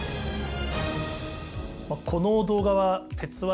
この動画は「鉄腕！